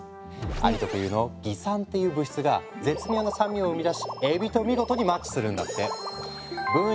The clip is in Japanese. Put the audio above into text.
アリ特有の「蟻酸」っていう物質が絶妙な酸味を生み出しエビと見事にマッチするんだって。